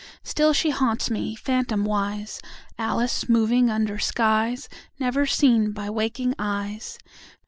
Still she haunts me, phantomwise, Alice moving under skies Never seen by waking eyes.